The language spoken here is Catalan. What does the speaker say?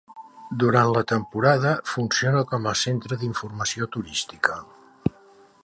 Durant la temporada, funciona com a centre d'informació turística.